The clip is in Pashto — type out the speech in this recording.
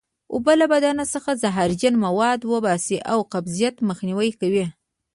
اوبه له بدن څخه زهرجن مواد وباسي او قبضیت مخنیوی کوي